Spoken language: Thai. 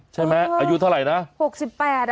ใช่มะอายุเท่าไหร่ครับ